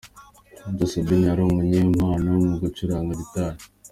Mucyo Sabine yari umunyempano mu gucuranga gitari.